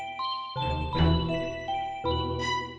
nggak usah lihat crossover